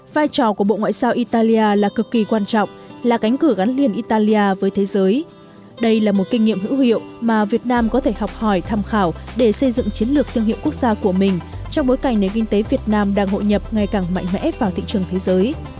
vai trò của bộ ngoại giao italia là cực kỳ quan trọng là cánh cửa gắn liền italia với thế giới đây là một kinh nghiệm hữu hiệu mà việt nam có thể học hỏi tham khảo để xây dựng chiến lược thương hiệu quốc gia của mình trong bối cảnh nền kinh tế việt nam đang hội nhập ngày càng mạnh mẽ vào thị trường thế giới